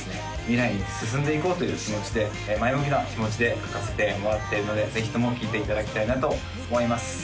未来に進んでいこうという気持ちで前向きな気持ちで書かせてもらってるのでぜひとも聴いていただきたいなと思います